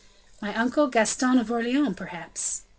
"My uncle, Gaston of Orleans, perhaps."